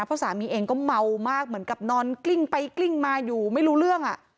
เพราะสามีเองก็เมามากเหมือนกับนอนกลิ้งไปกลิ้งมาอยู่ไม่รู้เรื่อง